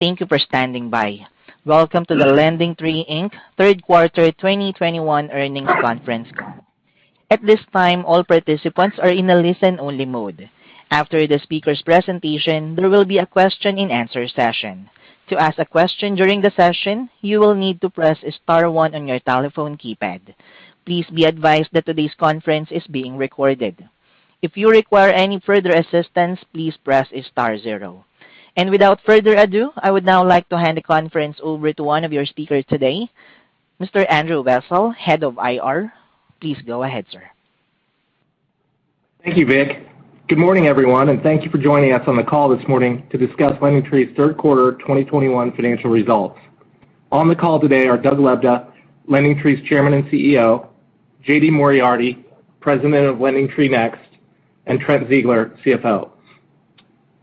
Thank you for standing by. Welcome to the LendingTree, Inc. third quarter 2021 earnings conference call. At this time, all participants are in a listen-only mode. After the speaker's presentation, there will be a question and answer session. To ask a question during the session, you will need to press star one on your telephone keypad. Please be advised that today's conference is being recorded. If you require any further assistance, please press star zero. Without further ado, I would now like to hand the conference over to one of your speakers today, Mr. Andrew Wessel, Head of IR. Please go ahead, sir. Thank you, Vic. Good morning, everyone, and thank you for joining us on the call this morning to discuss LendingTree's third quarter 2021 financial results. On the call today are Doug Lebda, LendingTree's Chairman and CEO, J.D. Moriarty, President of LendingTree Next, and Trent Ziegler, CFO.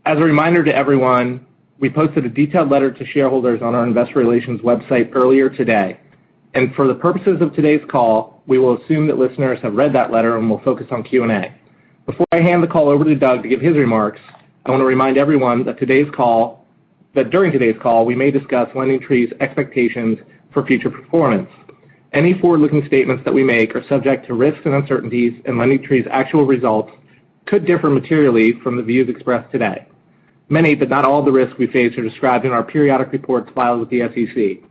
As a reminder to everyone, we posted a detailed letter to shareholders on our investor relations website earlier today. For the purposes of today's call, we will assume that listeners have read that letter and will focus on Q&A. Before I hand the call over to Doug to give his remarks, I wanna remind everyone that during today's call, we may discuss LendingTree's expectations for future performance. Any forward-looking statements that we make are subject to risks and uncertainties, and LendingTree's actual results could differ materially from the views expressed today. Many, but not all, of the risks we face are described in our periodic reports filed with the SEC.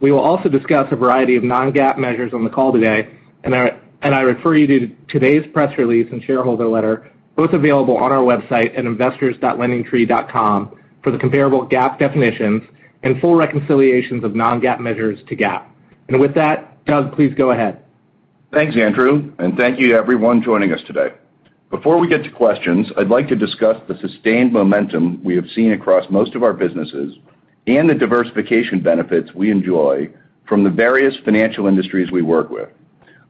We will also discuss a variety of non-GAAP measures on the call today, and I refer you to today's press release and shareholder letter, both available on our website at investors.lendingtree.com for the comparable GAAP definitions and full reconciliations of non-GAAP measures to GAAP. With that, Doug, please go ahead. Thanks, Andrew, and thank you to everyone joining us today. Before we get to questions, I'd like to discuss the sustained momentum we have seen across most of our businesses and the diversification benefits we enjoy from the various financial industries we work with.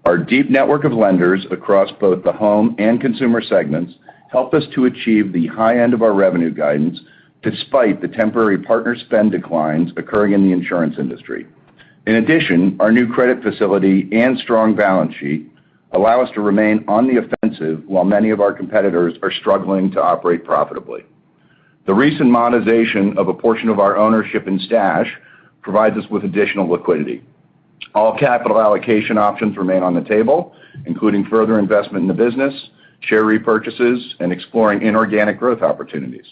Our deep network of lenders across both the home and consumer segments help us to achieve the high end of our revenue guidance despite the temporary partner spend declines occurring in the insurance industry. In addition, our new credit facility and strong balance sheet allow us to remain on the offensive while many of our competitors are struggling to operate profitably. The recent monetization of a portion of our ownership in Stash provides us with additional liquidity. All capital allocation options remain on the table, including further investment in the business, share repurchases, and exploring inorganic growth opportunities.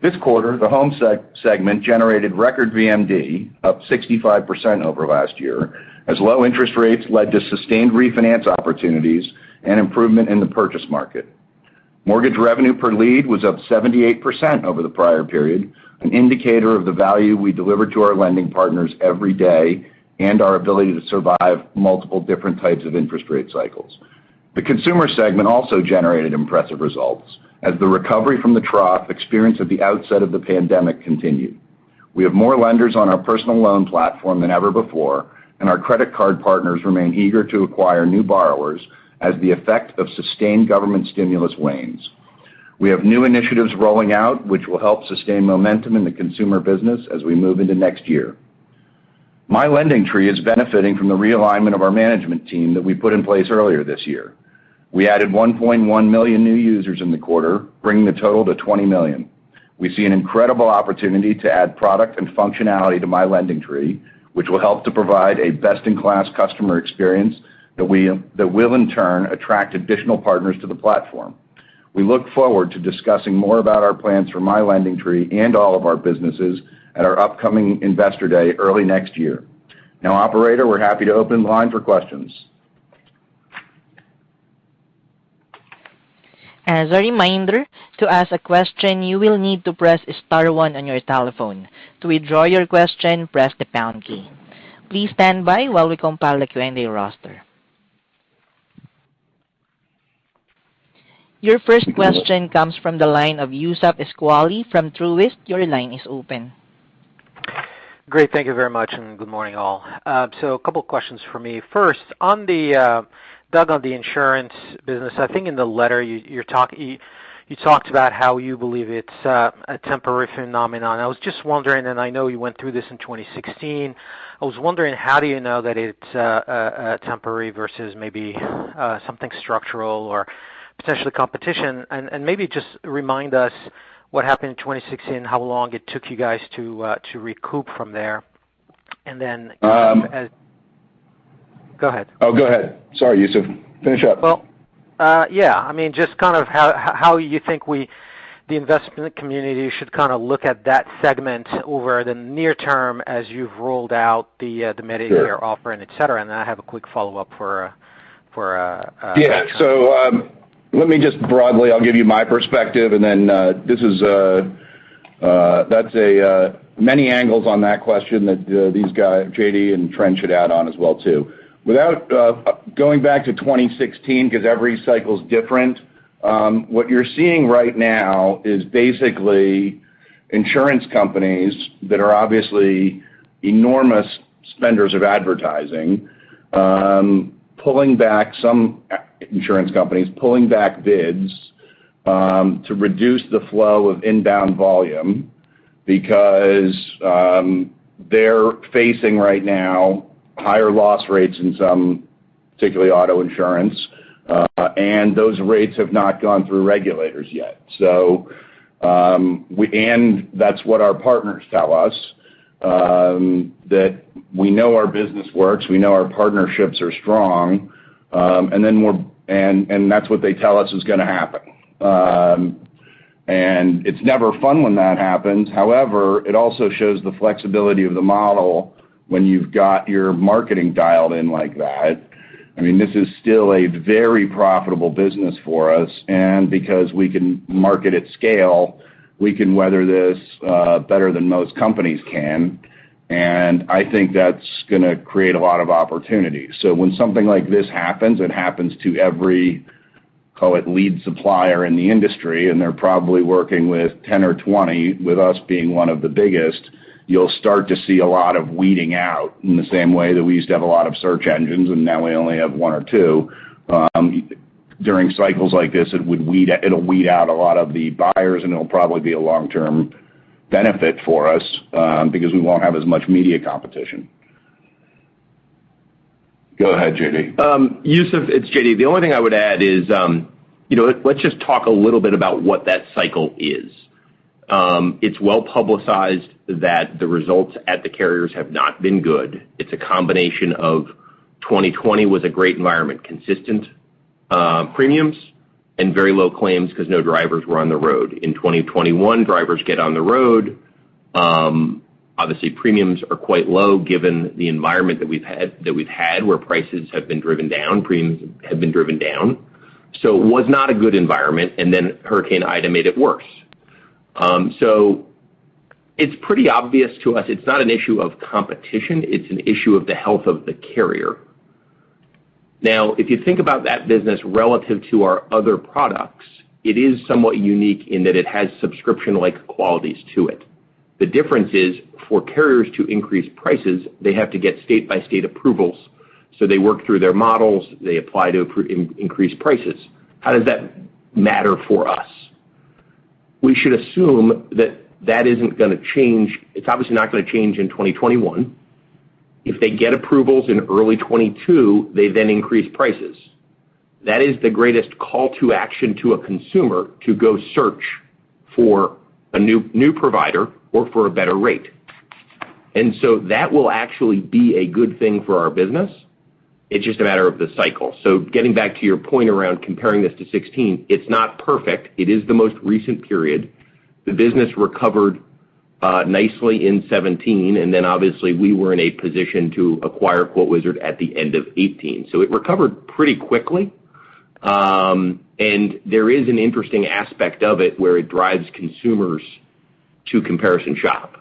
This quarter, the home segment generated record VMD, up 65% over last year, as low interest rates led to sustained refinance opportunities and improvement in the purchase market. Mortgage revenue per lead was up 78% over the prior period, an indicator of the value we deliver to our lending partners every day and our ability to survive multiple different types of interest rate cycles. The consumer segment also generated impressive results as the recovery from the trough experienced at the outset of the pandemic continued. We have more lenders on our personal loan platform than ever before, and our credit card partners remain eager to acquire new borrowers as the effect of sustained government stimulus wanes. We have new initiatives rolling out, which will help sustain momentum in the consumer business as we move into next year. My LendingTree is benefiting from the realignment of our management team that we put in place earlier this year. We added 1.1 million new users in the quarter, bringing the total to 20 million. We see an incredible opportunity to add product and functionality to My LendingTree, which will help to provide a best-in-class customer experience that will in turn attract additional partners to the platform. We look forward to discussing more about our plans for My LendingTree and all of our businesses at our upcoming Investor Day early next year. Now, operator, we're happy to open the line for questions. As a reminder, to ask a question, you will need to press star one on your telephone. To withdraw your question, press the pound key. Please stand by while we compile the Q&A roster. Your first question comes from the line of Youssef Squali from Truist. Your line is open. Great. Thank you very much, and good morning, all. A couple questions for me. First, on the insurance business, I think in the letter you talked about how you believe it's a temporary phenomenon. I was just wondering, and I know you went through this in 2016. I was wondering how do you know that it's temporary versus maybe something structural or potential competition? And maybe just remind us what happened in 2016 and how long it took you guys to recoup from there. Then- Um- Go ahead. Oh, go ahead. Sorry, Youssef. Finish up. Well, yeah, I mean, just kind of how you think we, the investment community should kinda look at that segment over the near term as you've rolled out the Medicare offer and et cetera. Then I have a quick follow-up for Yeah. Let me just broadly, I'll give you my perspective, and then, there are many angles on that question that these guys, J.D. and Trent should add on as well. Without going back to 2016 because every cycle is different, what you're seeing right now is basically insurance companies that are obviously enormous spenders of advertising, pulling back some, insurance companies pulling back bids, to reduce the flow of inbound volume because they're facing right now higher loss rates in some, particularly auto insurance. Those rates have not gone through regulators yet. That's what our partners tell us, that we know our business works, we know our partnerships are strong, and that's what they tell us is gonna happen. It's never fun when that happens. However, it also shows the flexibility of the model when you've got your marketing dialed in like that. I mean, this is still a very profitable business for us, and because we can market at scale, we can weather this, better than most companies can. I think that's gonna create a lot of opportunities. When something like this happens, it happens to every, call it lead supplier in the industry, and they're probably working with 10 or 20, with us being one of the biggest. You'll start to see a lot of weeding out in the same way that we used to have a lot of search engines, and now we only have one or two. During cycles like this, it'll weed out a lot of the buyers, and it'll probably be a long-term benefit for us, because we won't have as much media competition. Go ahead, J.D. Youssef, it's J.D. The only thing I would add is, you know, let's just talk a little bit about what that cycle is. It's well-publicized that the results at the carriers have not been good. It's a combination of 2020 was a great environment, consistent premiums and very low claims because no drivers were on the road. In 2021, drivers get on the road. Obviously premiums are quite low given the environment that we've had, where prices have been driven down, premiums have been driven down. It was not a good environment, and then Hurricane Ida made it worse. It's pretty obvious to us it's not an issue of competition, it's an issue of the health of the carrier. Now, if you think about that business relative to our other products, it is somewhat unique in that it has subscription-like qualities to it. The difference is for carriers to increase prices, they have to get state-by-state approvals, so they work through their models, they apply to increase prices. How does that matter for us? We should assume that that isn't gonna change. It's obviously not gonna change in 2021. If they get approvals in early 2022, they then increase prices. That is the greatest call to action to a consumer to go search for a new provider or for a better rate. That will actually be a good thing for our business. It's just a matter of the cycle. Getting back to your point around comparing this to 16, it's not perfect. It is the most recent period. The business recovered nicely in 2017, and then obviously we were in a position to acquire QuoteWizard at the end of 2018. It recovered pretty quickly. There is an interesting aspect of it where it drives consumers to comparison shop.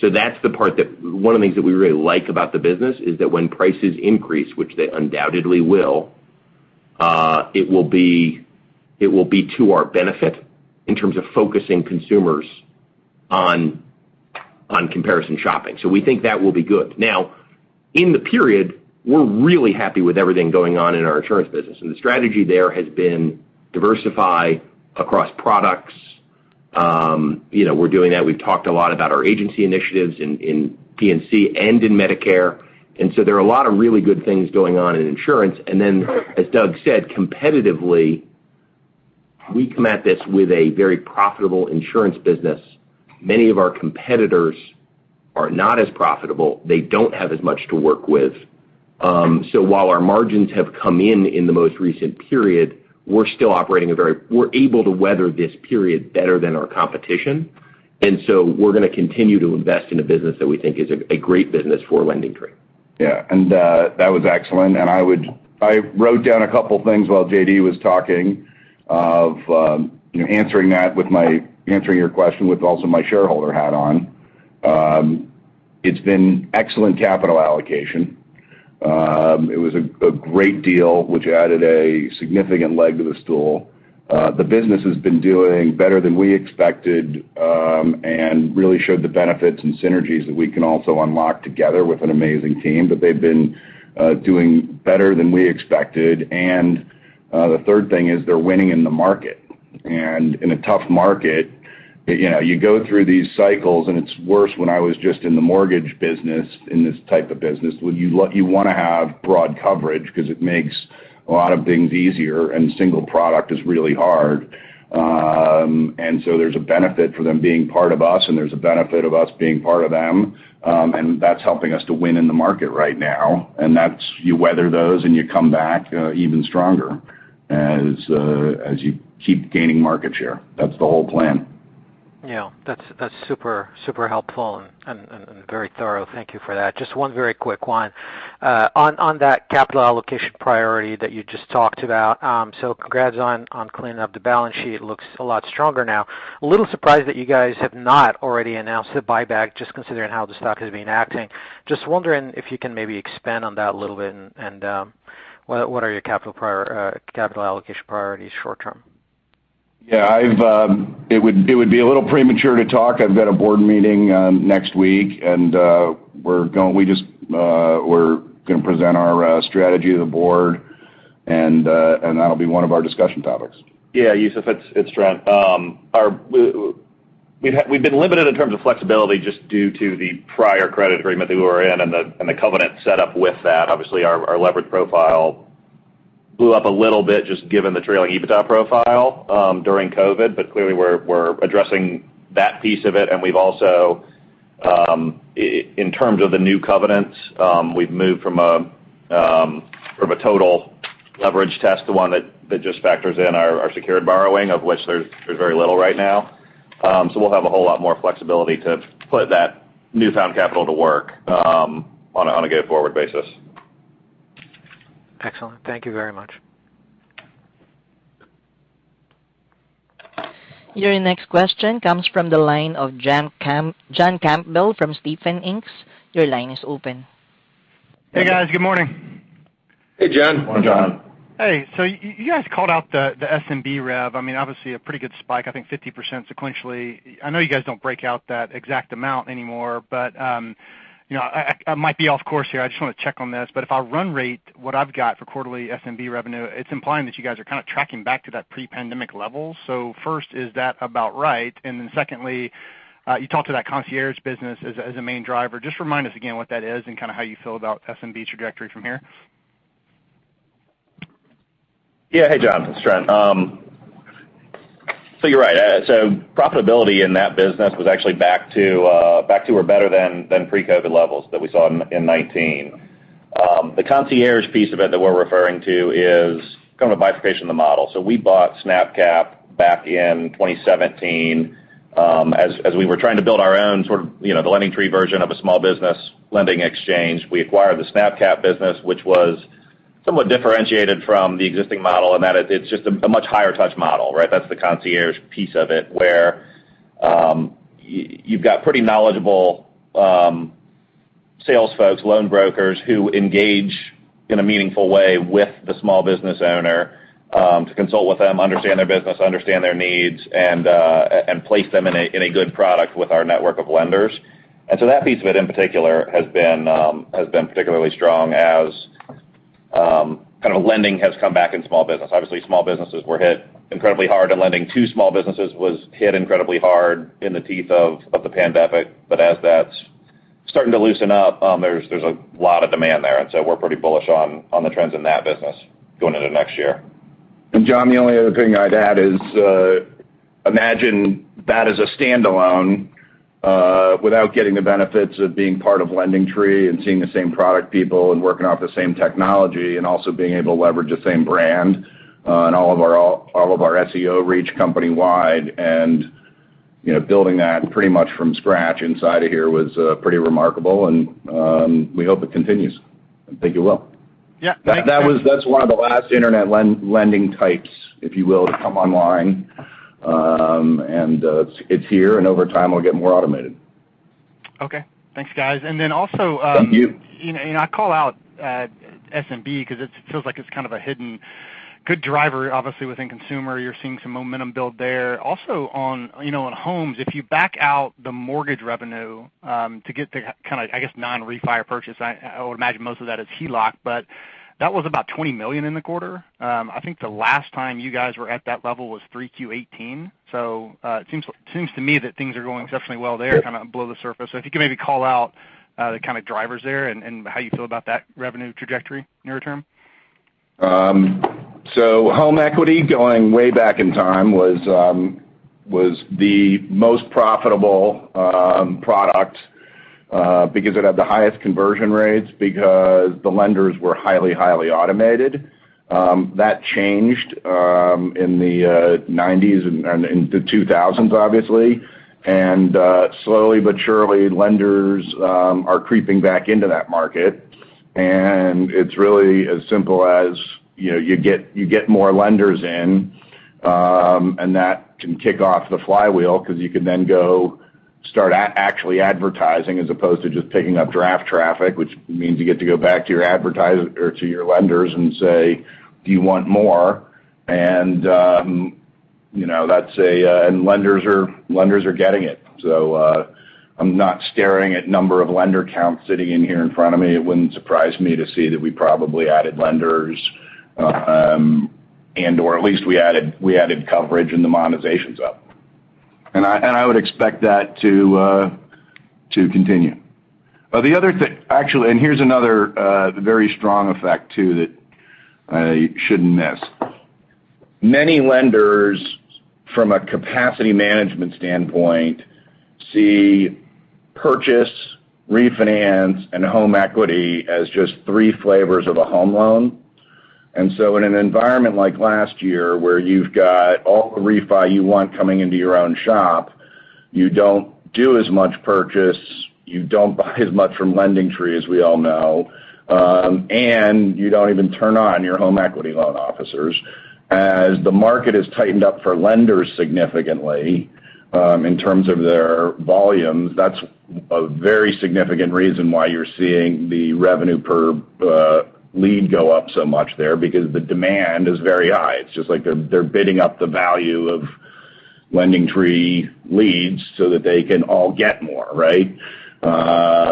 That's the part one of the things that we really like about the business is that when prices increase, which they undoubtedly will, it will be to our benefit in terms of focusing consumers on comparison shopping. We think that will be good. Now, in the period, we're really happy with everything going on in our insurance business, and the strategy there has been diversify across products. You know, we're doing that. We've talked a lot about our agency initiatives in P&C and in Medicare. There are a lot of really good things going on in insurance. As Doug said, competitively, we come at this with a very profitable insurance business. Many of our competitors are not as profitable. They don't have as much to work with. While our margins have come in in the most recent period, we're still operating. We're able to weather this period better than our competition. We're gonna continue to invest in a business that we think is a great business for LendingTree. Yeah. That was excellent. I wrote down a couple things while J.D. was talking, you know, answering your question with also my shareholder hat on. It's been excellent capital allocation. It was a great deal, which added a significant leg to the stool. The business has been doing better than we expected, and really showed the benefits and synergies that we can also unlock together with an amazing team. But they've been doing better than we expected. The third thing is they're winning in the market. In a tough market, you know, you go through these cycles, and it's worse when I was just in the mortgage business, in this type of business. You wanna have broad coverage because it makes a lot of things easier, and single product is really hard. There's a benefit for them being part of us, and there's a benefit of us being part of them. That's helping us to win in the market right now, you weather those and you come back even stronger as you keep gaining market share. That's the whole plan. Yeah. That's super helpful and very thorough. Thank you for that. Just one very quick one. On that capital allocation priority that you just talked about, so congrats on cleaning up the balance sheet. It looks a lot stronger now. I'm a little surprised that you guys have not already announced a buyback just considering how the stock has been acting. Just wondering if you can maybe expand on that a little bit and what are your capital allocation priorities short term? Yeah. It would be a little premature to talk. I've got a board meeting next week, and we're just gonna present our strategy to the board and that'll be one of our discussion topics. Yeah, Youssef, it's Trent. We've been limited in terms of flexibility just due to the prior credit agreement that we were in and the covenant set up with that. Obviously, our leverage profile blew up a little bit just given the trailing EBITDA profile during COVID. But clearly we're addressing that piece of it. We've also, in terms of the new covenants, moved from a total leverage test to one that just factors in our secured borrowing, of which there's very little right now. So we'll have a whole lot more flexibility to put that newfound capital to work on a go-forward basis. Excellent. Thank you very much. Your next question comes from the line of John Campbell from Stephens Inc. Your line is open. Hey, guys. Good morning. Hey, John. Morning, John. Hey. You guys called out the SMB rev. I mean, obviously a pretty good spike, I think 50% sequentially. I know you guys don't break out that exact amount anymore, but, you know, I might be off course here. I just wanna check on this. If I run rate what I've got for quarterly SMB revenue, it's implying that you guys are kind of tracking back to that pre-pandemic level. First, is that about right? And then secondly, you talked to that concierge business as a main driver. Just remind us again what that is and kind of how you feel about SMB trajectory from here. Yeah. Hey, John, it's Trent. You're right. Profitability in that business was actually back to or better than pre-COVID levels that we saw in 2019. The concierge piece of it that we're referring to is kind of a bifurcation of the model. We bought SnapCap back in 2017, as we were trying to build our own sort of, you know, the LendingTree version of a small business lending exchange. We acquired the SnapCap business, which was somewhat differentiated from the existing model in that it's just a much higher touch model, right? That's the concierge piece of it, where you've got pretty knowledgeable sales folks, loan brokers who engage in a meaningful way with the small business owner to consult with them, understand their business, understand their needs, and place them in a good product with our network of lenders. That piece of it in particular has been particularly strong as kind of lending has come back in small business. Obviously, small businesses were hit incredibly hard, and lending to small businesses was hit incredibly hard in the teeth of the pandemic. As that's starting to loosen up, there's a lot of demand there. We're pretty bullish on the trends in that business going into next year. John, the only other thing I'd add is, imagine that as a standalone, without getting the benefits of being part of LendingTree and seeing the same product people and working off the same technology and also being able to leverage the same brand, and all of our SEO reach company-wide. You know, building that pretty much from scratch inside of here was pretty remarkable, and we hope it continues, and think it will. Yeah. Thank you. That's one of the last internet lending types, if you will, to come online. It's here, and over time it'll get more automated. Okay. Thanks, guys. Also. Thank you. You know, I call out SMB because it feels like it's kind of a hidden good driver, obviously, within consumer. You're seeing some momentum build there. Also on, you know, on homes, if you back out the mortgage revenue to get the kind of, I guess, non-refi purchase, I would imagine most of that is HELOC, but that was about $20 million in the quarter. I think the last time you guys were at that level was 3Q 2018. It seems to me that things are going exceptionally well there kind of below the surface. If you could maybe call out the kind of drivers there and how you feel about that revenue trajectory near term. Home equity going way back in time was the most profitable product because it had the highest conversion rates because the lenders were highly automated. That changed in the 1990s and in the 2000s obviously. Slowly but surely, lenders are creeping back into that market. It's really as simple as, you know, you get more lenders in and that can kick off the flywheel 'cause you can then go start actually advertising as opposed to just picking up draft traffic, which means you go back to your lenders and say, Do you want more? You know, that's a. Lenders are getting it. I'm not staring at number of lender counts sitting in here in front of me. It wouldn't surprise me to see that we probably added lenders, and/or at least we added coverage and the monetization's up. I would expect that to continue. The other thing. Actually, here's another very strong effect too that I shouldn't miss. Many lenders, from a capacity management standpoint, see purchase, refinance, and home equity as just three flavors of a home loan. In an environment like last year where you've got all the refi you want coming into your own shop, you don't do as much purchase, you don't buy as much from LendingTree, as we all know, and you don't even turn on your home equity loan officers. As the market has tightened up for lenders significantly, in terms of their volumes, that's a very significant reason why you're seeing the revenue per lead go up so much there because the demand is very high. It's just like they're bidding up the value of LendingTree leads so that they can all get more, right? That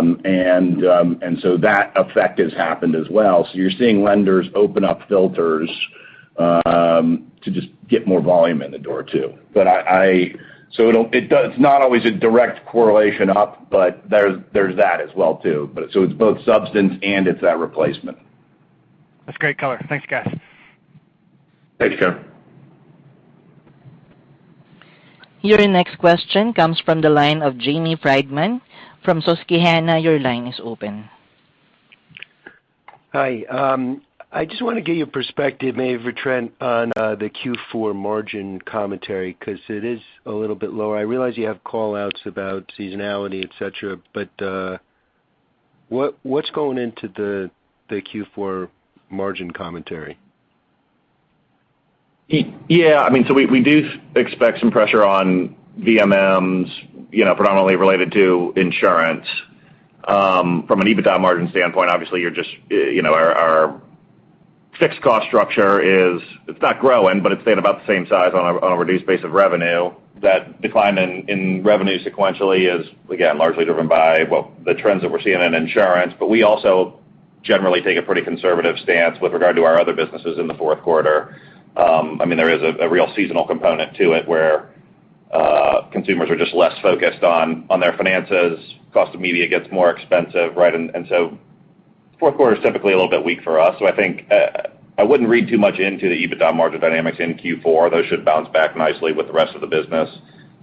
effect has happened as well. You're seeing lenders open up filters to just get more volume in the door too. It's not always a direct correlation up, but there's that as well too. It's both substance and it's that replacement. That's great color. Thanks, guys. Thanks, John. Your next question comes from the line of Jamie Friedman from Susquehanna. Your line is open. Hi. I just wanna get your perspective, maybe for Trent, on the Q4 margin commentary 'cause it is a little bit lower. I realize you have call-outs about seasonality, et cetera, but what's going into the Q4 margin commentary? Yeah. I mean, we do expect some pressure on VMMs, you know, predominantly related to insurance. From an EBITDA margin standpoint, obviously, you're just, you know, our fixed cost structure is. It's not growing, but it's staying about the same size on a reduced base of revenue. That decline in revenue sequentially is, again, largely driven by, well, the trends that we're seeing in insurance. We also generally take a pretty conservative stance with regard to our other businesses in the fourth quarter. I mean, there is a real seasonal component to it, where consumers are just less focused on their finances. Cost of media gets more expensive, right? So fourth quarter is typically a little bit weak for us. I think I wouldn't read too much into the EBITDA margin dynamics in Q4. Those should bounce back nicely with the rest of the business,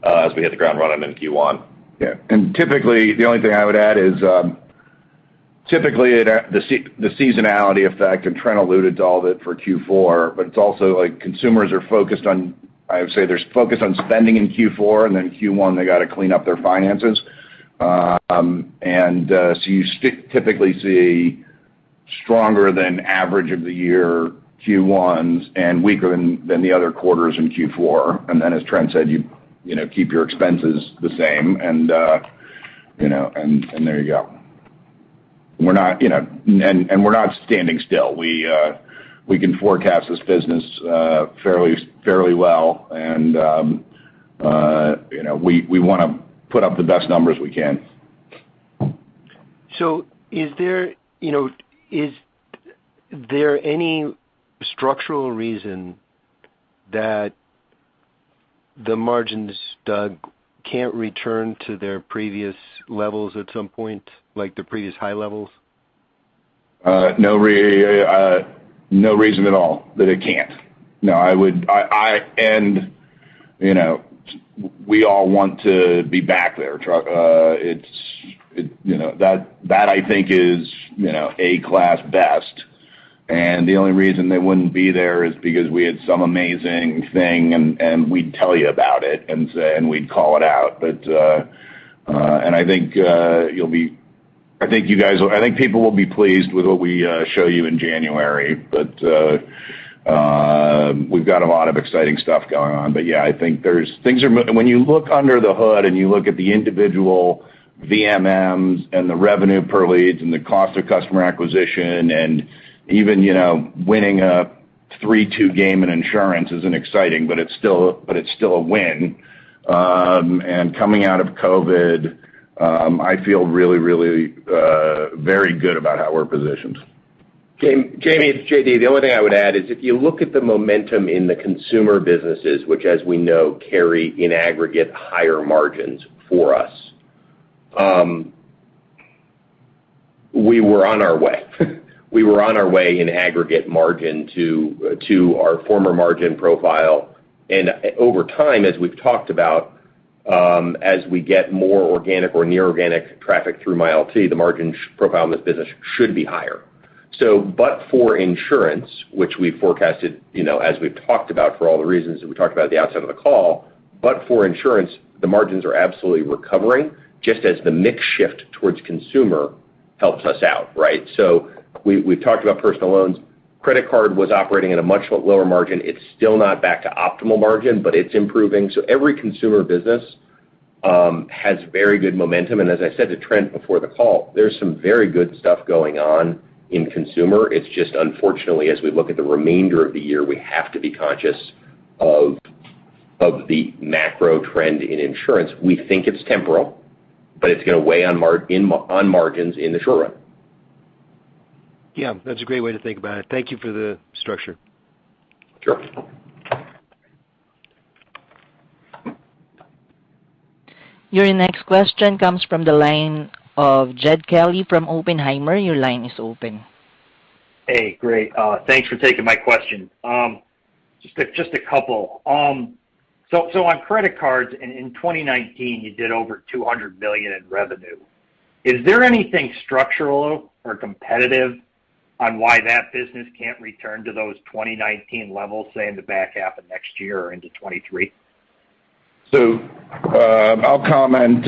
as we hit the ground running in Q1. Typically, the only thing I would add is typically the seasonality effect, and Trent alluded to all of it for Q4, but it's also like consumers are focused on, I would say, there's focus on spending in Q4, and then Q1, they gotta clean up their finances. You typically see stronger than average of the year Q1s and weaker than the other quarters in Q4. Then as Trent said, you know, keep your expenses the same and you know, and there you go. We're not standing still. We can forecast this business fairly well and you know, we wanna put up the best numbers we can. Is there, you know, is there any structural reason that the margins, Doug, can't return to their previous levels at some point, like the previous high levels? No reason at all that it can't. No, I would. You know, we all want to be back there. It's. You know, that I think is A-class best. The only reason they wouldn't be there is because we had some amazing thing and we'd tell you about it and we'd call it out. I think people will be pleased with what we show you in January. We've got a lot of exciting stuff going on. Yeah, I think there's. When you look under the hood, and you look at the individual VMMs, and the revenue per leads, and the cost of customer acquisition, and even, you know, winning a three-two game in insurance isn't exciting, but it's still a win. Coming out of COVID, I feel really very good about how we're positioned. Jamie, it's J.D. The only thing I would add is if you look at the momentum in the consumer businesses, which as we know carry in aggregate higher margins for us, we were on our way in aggregate margin to our former margin profile. Over time, as we've talked about, as we get more organic or near organic traffic through MyLT, the margin profile in this business should be higher. But for insurance, which we forecasted, you know, as we've talked about for all the reasons that we talked about at the outset of the call, but for insurance, the margins are absolutely recovering just as the mix shift toward consumer helps us out, right? We've talked about personal loans. Credit card was operating at a much lower margin. It's still not back to optimal margin, but it's improving. Every consumer business has very good momentum. As I said to Trent before the call, there's some very good stuff going on in consumer. It's just unfortunately, as we look at the remainder of the year, we have to be conscious of the macro trend in insurance. We think it's temporal, but it's gonna weigh on margins in the short run. Yeah, that's a great way to think about it. Thank you for the structure. Sure. Your next question comes from the line of Jed Kelly from Oppenheimer. Your line is open. Hey, great. Thanks for taking my question. Just a couple. On credit cards in 2019, you did over $200 million in revenue. Is there anything structural or competitive on why that business can't return to those 2019 levels, say in the back half of next year or into 2023? I'll comment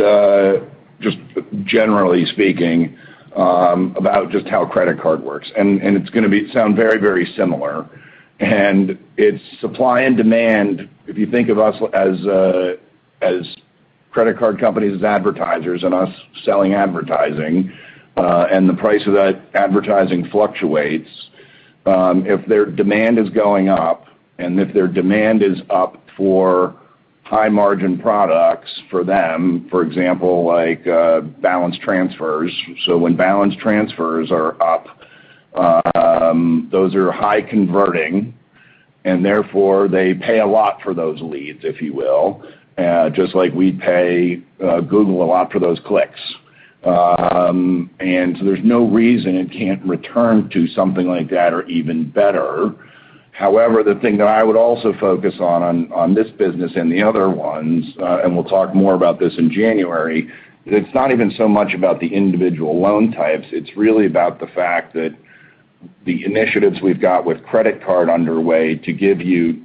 just generally speaking about just how credit cards work, and it's gonna sound very, very similar. It's supply and demand. If you think of credit card companies as advertisers and us selling advertising, and the price of that advertising fluctuates. If their demand is going up and if their demand is up for high-margin products for them, for example, like balance transfers. When balance transfers are up, those are high-converting and therefore they pay a lot for those leads, if you will, just like we pay Google a lot for those clicks. There's no reason it can't return to something like that or even better. However, the thing that I would also focus on this business and the other ones, and we'll talk more about this in January, it's not even so much about the individual loan types, it's really about the fact that the initiatives we've got with credit card underway to give you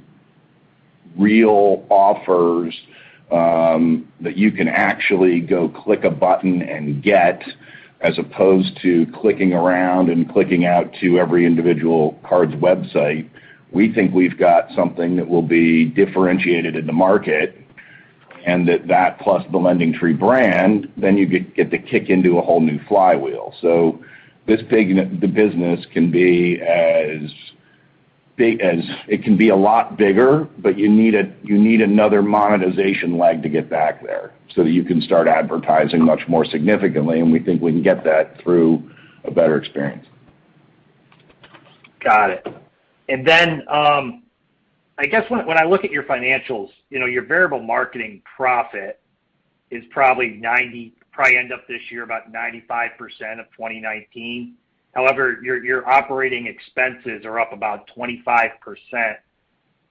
real offers that you can actually go click a button and get as opposed to clicking around and clicking out to every individual card's website. We think we've got something that will be differentiated in the market, and that plus the LendingTree brand, then you get to kick into a whole new flywheel. The business can be a lot bigger, but you need another monetization leg to get back there so that you can start advertising much more significantly, and we think we can get that through a better experience. Got it. I guess when I look at your financials, you know, your variable marketing profit is probably end up this year about 95% of 2019. However, your operating expenses are up about 25%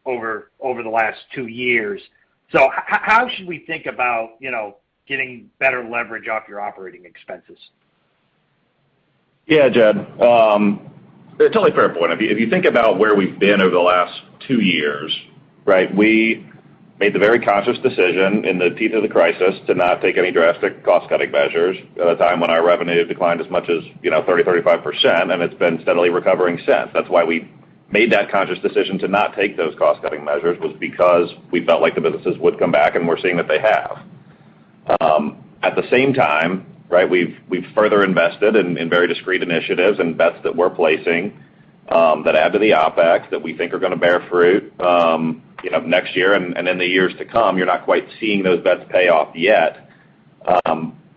over the last two years. How should we think about, you know, getting better leverage off your operating expenses? Yeah, Jed. It's a totally fair point. If you think about where we've been over the last two years, right? We made the very conscious decision in the teeth of the crisis to not take any drastic cost-cutting measures at a time when our revenue declined as much as 30%-35%, and it's been steadily recovering since. That's why we made that conscious decision to not take those cost-cutting measures, was because we felt like the businesses would come back, and we're seeing that they have. At the same time, right, we've further invested in very discrete initiatives and bets that we're placing, that add to the OpEx that we think are gonna bear fruit, you know, next year and in the years to come. You're not quite seeing those bets pay off yet.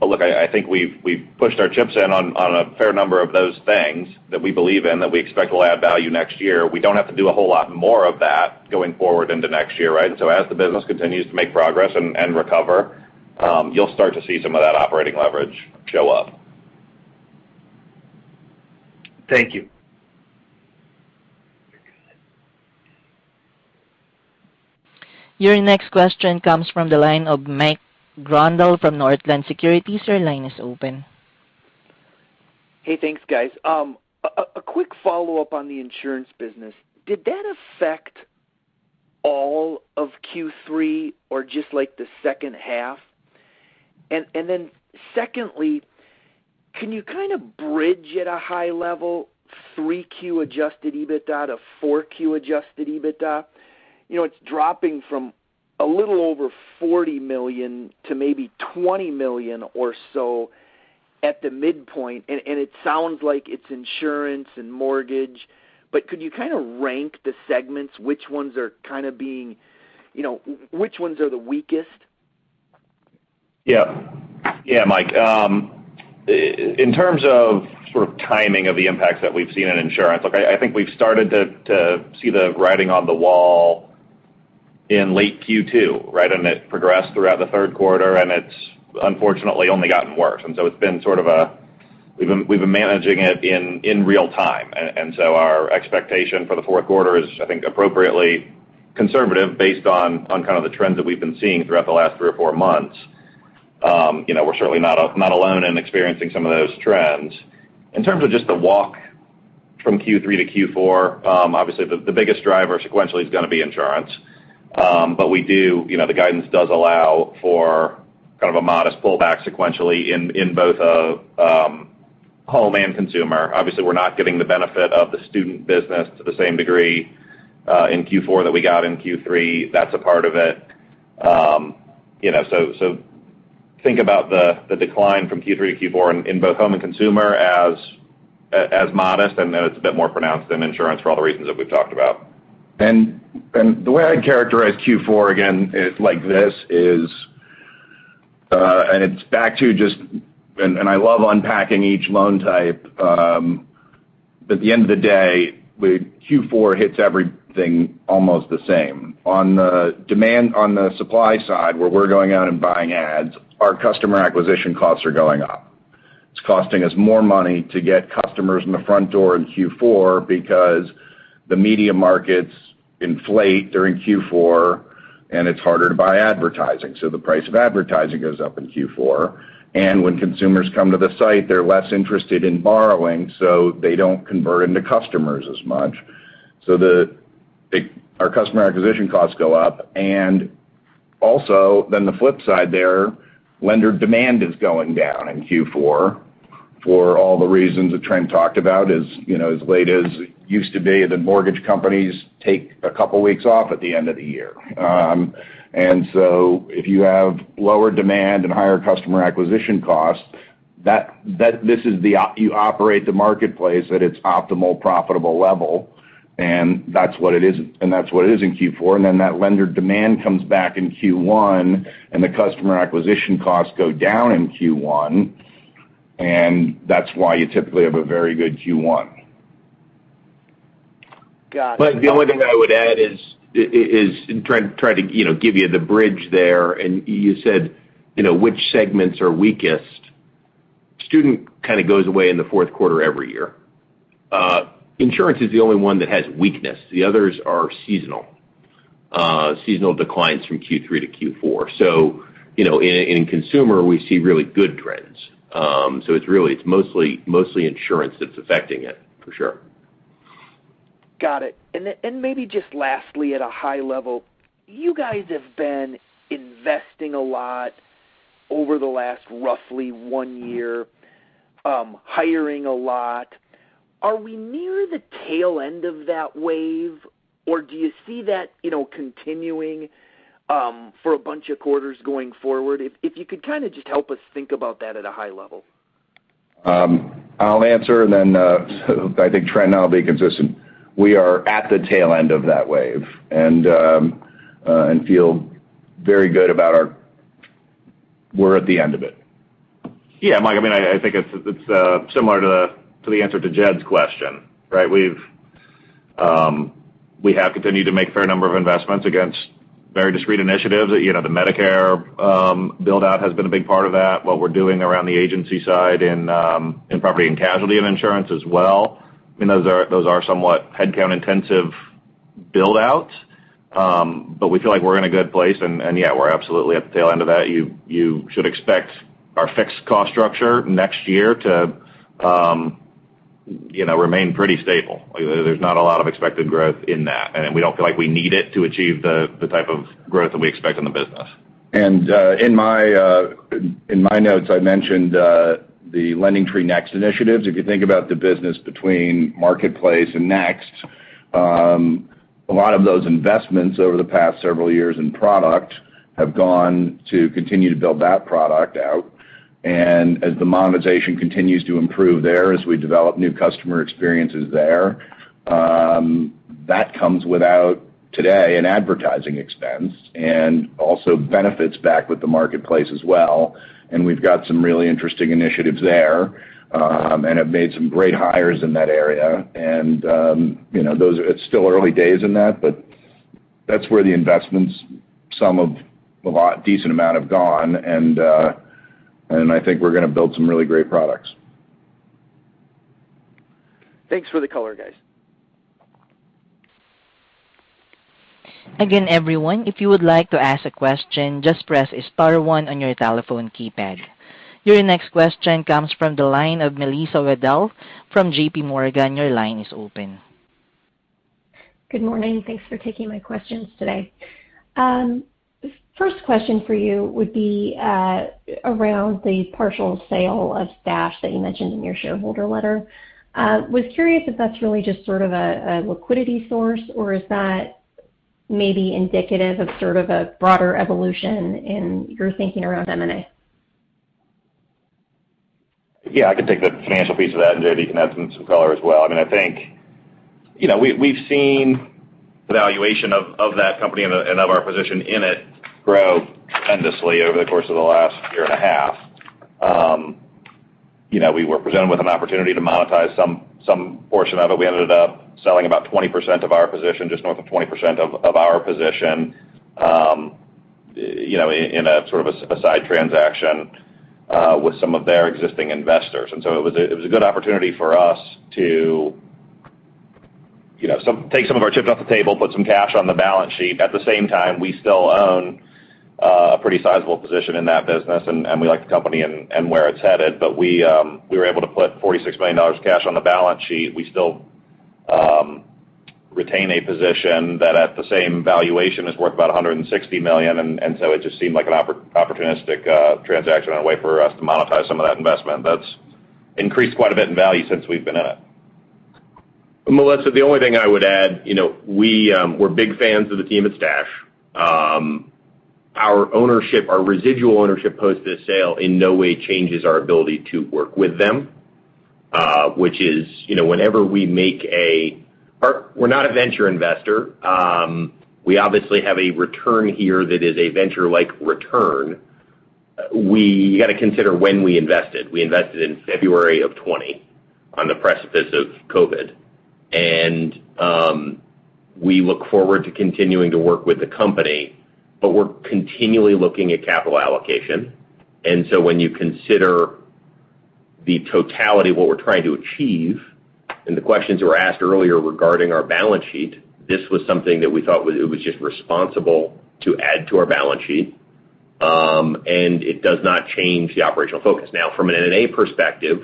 Look, I think we've pushed our chips in on a fair number of those things that we believe in, that we expect will add value next year. We don't have to do a whole lot more of that going forward into next year, right? As the business continues to make progress and recover, you'll start to see some of that operating leverage show up. Thank you. Your next question comes from the line of Mike Grondahl from Northland Securities. Your line is open. Hey, thanks, guys. A quick follow-up on the insurance business. Did that affect all of Q3 or just like the second half? Secondly, can you kind of bridge at a high level 3Q adjusted EBITDA to 4Q adjusted EBITDA? You know, it's dropping from a little over $40 million to maybe $20 million or so at the midpoint, and it sounds like it's insurance and mortgage. Could you kinda rank the segments, which ones are kinda the weakest? Yeah. Yeah, Mike. In terms of sort of timing of the impacts that we've seen in insurance, look, I think we've started to see the writing on the wall in late Q2, right? It progressed throughout the third quarter, and it's unfortunately only gotten worse. It's been sort of a. We've been managing it in real time. Our expectation for the fourth quarter is, I think, appropriately conservative based on kind of the trends that we've been seeing throughout the last three or four months. You know, we're certainly not alone in experiencing some of those trends. In terms of just the walk from Q3 to Q4, obviously the biggest driver sequentially is gonna be insurance. But we do... You know, the guidance does allow for kind of a modest pullback sequentially in both home and consumer. Obviously, we're not getting the benefit of the student business to the same degree in Q4 that we got in Q3. That's a part of it. You know, think about the decline from Q3 to Q4 in both home and consumer as modest, and then it's a bit more pronounced in insurance for all the reasons that we've talked about. The way I'd characterize Q4, again, is like this, it's back to just. I love unpacking each loan type. But at the end of the day, Q4 hits everything almost the same. On the supply side, where we're going out and buying ads, our customer acquisition costs are going up. It's costing us more money to get customers in the front door in Q4 because the media markets inflate during Q4, and it's harder to buy advertising. So the price of advertising goes up in Q4. And when consumers come to the site, they're less interested in borrowing, so they don't convert into customers as much. Our customer acquisition costs go up. The flip side there, lender demand is going down in Q4. For all the reasons that Trent talked about, as you know, as late as it used to be, the mortgage companies take a couple weeks off at the end of the year. If you have lower demand and higher customer acquisition costs, you operate the marketplace at its optimal profitable level, and that's what it is in Q4. That lender demand comes back in Q1, and the customer acquisition costs go down in Q1, and that's why you typically have a very good Q1. Got it. The only thing I would add is, and Trent, try to, you know, give you the bridge there, and you said, you know, which segments are weakest. Student kind of goes away in the fourth quarter every year. Insurance is the only one that has weakness. The others are seasonal declines from Q3 to Q4. You know, in consumer, we see really good trends. It's really, it's mostly insurance that's affecting it, for sure. Got it. Maybe just lastly, at a high level, you guys have been investing a lot over the last roughly one year, hiring a lot. Are we near the tail end of that wave, or do you see that, you know, continuing, for a bunch of quarters going forward? If you could kind of just help us think about that at a high level. I'll answer and then I think Trent and I will be consistent. We are at the tail end of that wave. We're at the end of it. Yeah, Mike, I mean, I think it's similar to the answer to Jed's question, right? We have continued to make a fair number of investments against very discrete initiatives. You know, the Medicare build-out has been a big part of that, what we're doing around the agency side in property and casualty and insurance as well. I mean, those are somewhat headcount-intensive build-outs. We feel like we're in a good place, and yeah, we're absolutely at the tail end of that. You should expect our fixed cost structure next year to, you know, remain pretty stable. There's not a lot of expected growth in that, and we don't feel like we need it to achieve the type of growth that we expect in the business. In my notes, I mentioned the LendingTree Next initiatives. If you think about the business between Marketplace and Next, a lot of those investments over the past several years in product have gone to continue to build that product out. As the monetization continues to improve there, as we develop new customer experiences there, that comes without, today, an advertising expense and also benefits back with the Marketplace as well. We've got some really interesting initiatives there and have made some great hires in that area. You know, those are. It's still early days in that, but that's where the investments, some of a lot, decent amount have gone, and I think we're gonna build some really great products. Thanks for the color, guys. Again, everyone, if you would like to ask a question, just press star one on your telephone keypad. Your next question comes from the line of Melissa Wedel from JPMorgan. Your line is open. Good morning. Thanks for taking my questions today. First question for you would be around the partial sale of Stash that you mentioned in your shareholder letter. Was curious if that's really just sort of a liquidity source, or is that maybe indicative of sort of a broader evolution in your thinking around M&A? Yeah, I can take the financial piece of that, and J.D., you can add some color as well. I mean, I think, you know, we've seen the valuation of that company and of our position in it grow tremendously over the course of the last year and a half. You know, we were presented with an opportunity to monetize some portion of it. We ended up selling about 20% of our position, just north of 20% of our position, you know, in sort of a side transaction with some of their existing investors. It was a good opportunity for us to, you know, take some of our chips off the table, put some cash on the balance sheet. At the same time, we still own a pretty sizable position in that business, and we like the company and where it's headed. We were able to put $46 million cash on the balance sheet. We still retain a position that at the same valuation is worth about $160 million, and so it just seemed like an opportunistic transaction and a way for us to monetize some of that investment that's increased quite a bit in value since we've been in it. Melissa, the only thing I would add, you know, we're big fans of the team at Stash. Our ownership, our residual ownership post this sale in no way changes our ability to work with them, which is, you know, we're not a venture investor. We obviously have a return here that is a venture-like return. We got to consider when we invested. We invested in February of 2020 on the precipice of COVID. We look forward to continuing to work with the company, but we're continually looking at capital allocation. When you consider the totality of what we're trying to achieve and the questions that were asked earlier regarding our balance sheet, this was something that we thought it was just responsible to add to our balance sheet. It does not change the operational focus. Now, from an M&A perspective,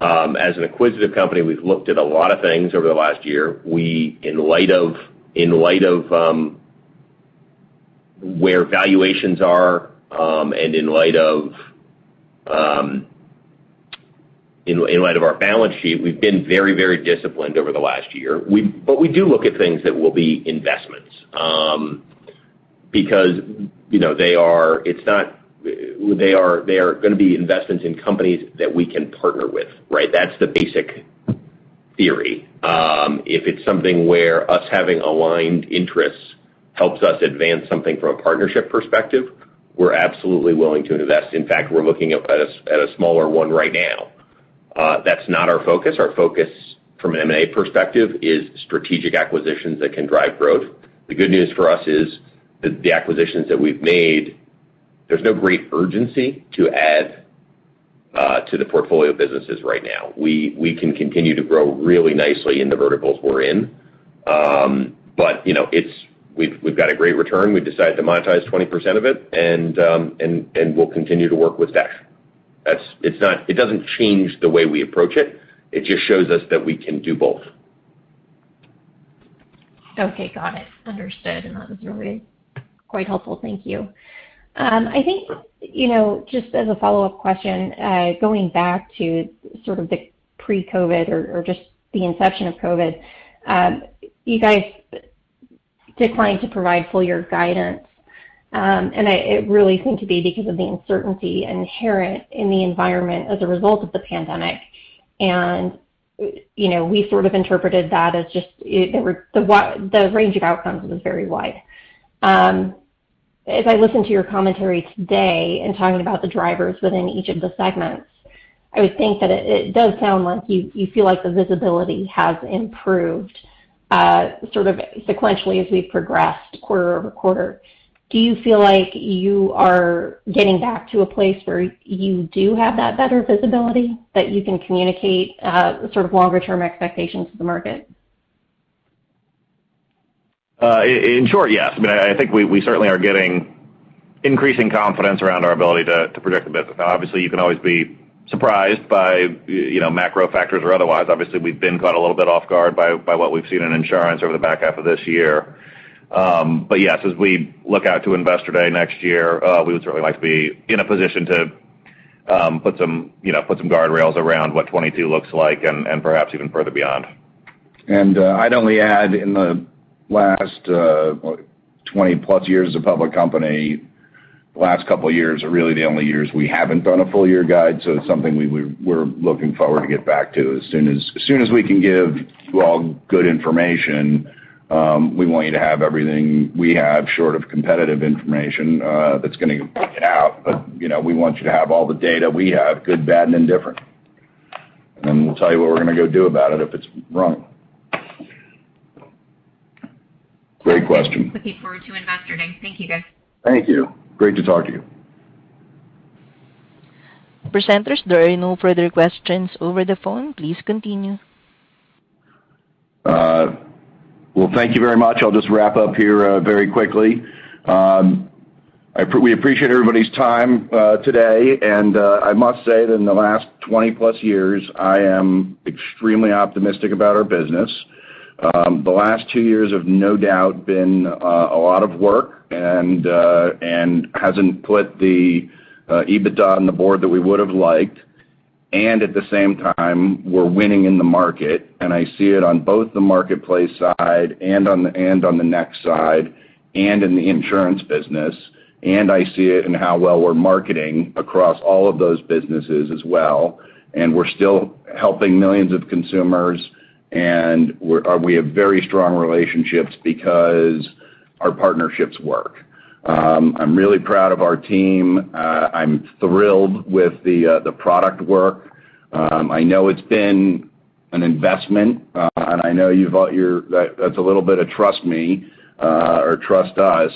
as an acquisitive company, we've looked at a lot of things over the last year. We in light of Where valuations are and in light of our balance sheet, we've been very disciplined over the last year. We do look at things that will be investments, because, you know, they are gonna be investments in companies that we can partner with, right? That's the basic theory. If it's something where us having aligned interests helps us advance something from a partnership perspective, we're absolutely willing to invest. In fact, we're looking at a smaller one right now. That's not our focus. Our focus from an M&A perspective is strategic acquisitions that can drive growth. The good news for us is the acquisitions that we've made, there's no great urgency to add to the portfolio businesses right now. We can continue to grow really nicely in the verticals we're in. You know, we've got a great return. We decided to monetize 20% of it, and we'll continue to work with Stash. That's. It doesn't change the way we approach it. It just shows us that we can do both. Okay. Got it. Understood. That was really quite helpful. Thank you. I think, you know, just as a follow-up question, going back to sort of the pre-COVID or just the inception of COVID, you guys declined to provide full year guidance. It really seemed to be because of the uncertainty inherent in the environment as a result of the pandemic. You know, we sort of interpreted that as just the range of outcomes was very wide. As I listen to your commentary today in talking about the drivers within each of the segments, I would think that it does sound like you feel like the visibility has improved, sort of sequentially as we've progressed quarter-over-quarter. Do you feel like you are getting back to a place where you do have that better visibility that you can communicate, sort of longer term expectations to the market? In short, yes. I mean, I think we certainly are getting increasing confidence around our ability to predict the business. Obviously, you can always be surprised by, you know, macro factors or otherwise. Obviously, we've been caught a little bit off guard by what we've seen in insurance over the back half of this year. Yes, as we look out to Investor Day next year, we would certainly like to be in a position to put some guardrails around what 2022 looks like and perhaps even further beyond. I'd only add in the last 20 plus years as a public company, the last couple of years are really the only years we haven't done a full year guide, so it's something we're looking forward to get back to as soon as we can give you all good information. We want you to have everything we have short of competitive information that's gonna get blacked out. You know, we want you to have all the data we have, good, bad, and indifferent. Then we'll tell you what we're gonna go do about it if it's wrong. Great question. Looking forward to Investor Day. Thank you, guys. Thank you. Great to talk to you. Presenters, there are no further questions over the phone. Please continue. Well, thank you very much. I'll just wrap up here very quickly. We appreciate everybody's time today. I must say that in the last 20 plus years, I am extremely optimistic about our business. The last two years have no doubt been a lot of work and hasn't put the EBITDA on the board that we would have liked, and at the same time, we're winning in the market, and I see it on both the marketplace side and on the next side and in the insurance business. I see it in how well we're marketing across all of those businesses as well. We're still helping millions of consumers, and we have very strong relationships because our partnerships work. I'm really proud of our team. I'm thrilled with the product work. I know it's been an investment, and I know that's a little bit of trust me or trust us.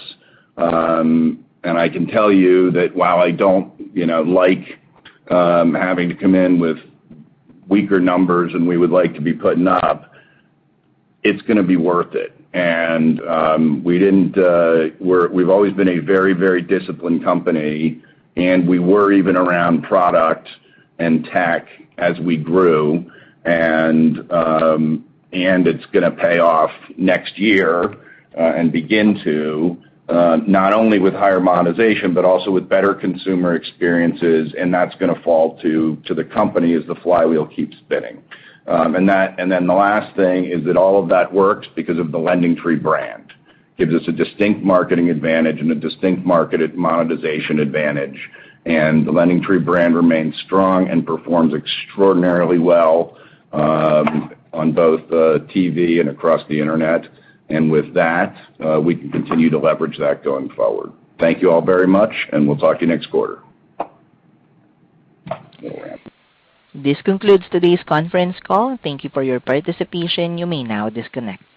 I can tell you that while I don't, you know, like, having to come in with weaker numbers than we would like to be putting up, it's gonna be worth it. We've always been a very disciplined company, and we were even around product and tech as we grew. It's gonna pay off next year and begin to not only with higher monetization, but also with better consumer experiences, and that's gonna fall to the company as the flywheel keeps spinning. The last thing is that all of that works because of the LendingTree brand. Gives us a distinct marketing advantage and a distinct marketed monetization advantage. The LendingTree brand remains strong and performs extraordinarily well on both TV and across the Internet. With that, we can continue to leverage that going forward. Thank you all very much, and we'll talk to you next quarter. This concludes today's conference call. Thank you for your participation. You may now disconnect.